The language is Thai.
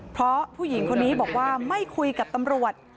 เพราะผู้หญิงคนนี้บอกว่าไม่คุยกับตำรวจ